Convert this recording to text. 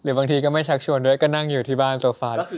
หรือบางทีก็ไม่ชักชวนด้วยก็นั่งอยู่ที่บ้านเตียงตัวเปิดตลอด